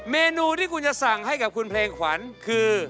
เมนูที่คุณจะสั่งให้กับคุณเพลงขวัญคือ